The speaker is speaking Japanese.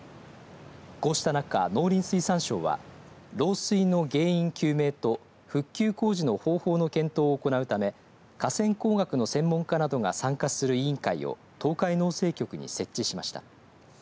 こうした中、農林水産省は漏水の原因究明と復旧工事方法の検討を行うため河川工学の専門家などが参加する委員会を東海農政局に設置しました。